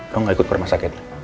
kamu gak ikut ke rumah sakit